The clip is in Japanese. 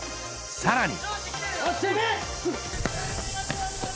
さらに。